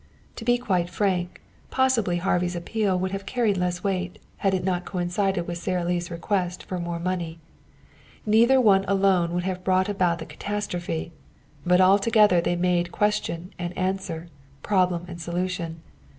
To be quite frank, possibly Harvey's appeal would have carried less weight had it not coincided with Sara Lee's request for more money. Neither one alone would have brought about the catastrophe, but altogether they made question and answer, problem and solution.